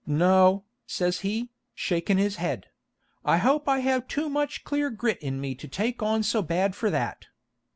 'No,' says he, shakin' his head, 'I hope I have too much clear grit in me to take on so bad for that.'